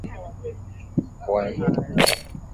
Jogoo aliwika mapema